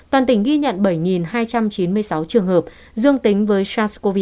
toàn tỉnh ghi nhận bảy hai trăm chín mươi sáu trường hợp dương tính với sars cov hai